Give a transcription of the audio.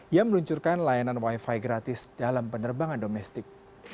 yang meluncurkan layanan wifi gratis dalam penerbangan domestik